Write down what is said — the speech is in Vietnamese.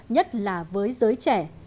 nhất là với giới trẻ